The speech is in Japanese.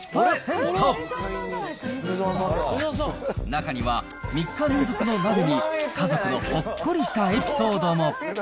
中には３日連続のお鍋に家族のほっこりしたエピソードも。